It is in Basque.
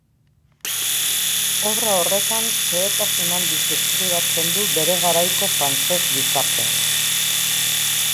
Obra horretan xehetasun handiz deskribatzen du bere garaiko frantses gizartea.